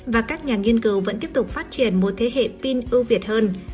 và các nhà nghiên cứu vẫn tiếp tục phát triển một thế hệ pin ưu việt hơn